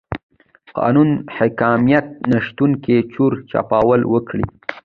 قانون حاکميت نشتون کې چور چپاول وکړي.